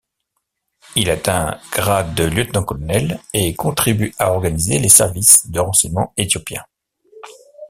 Il atteint grade de lieutenant-colonel et contribue à organiser les services de renseignement éthiopiens.